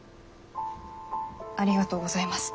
ありがとうございます。